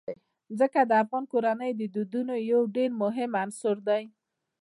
ځمکه د افغان کورنیو د دودونو یو ډېر مهم عنصر دی.